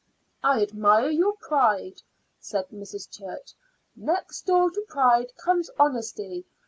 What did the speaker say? "I admire your pride," said Mrs. Church. "Next door to pride comes honesty.